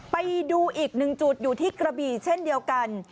ไปดูอีกหนึ่งจุดอยู่ที่กระบี่เช่นเดียวกัน